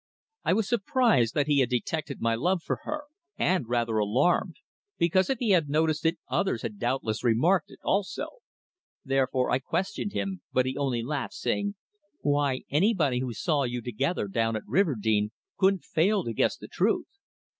I was surprised that he had detected my love for her, and rather alarmed, because if he had noticed it others had doubtless remarked it also. Therefore I questioned him, but he only laughed, saying "Why, anybody who saw you together down at Riverdene couldn't fail to guess the truth.